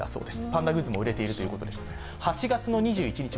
パンダグッズも売れているということです。